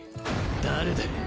誰だ⁉